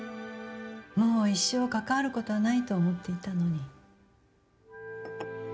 もう一生関わることはないと思っていたのに。